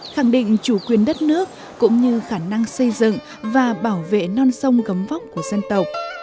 khẳng định chủ quyền đất nước cũng như khả năng xây dựng và bảo vệ non sông gấm vóc của dân tộc